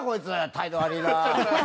態度悪いな。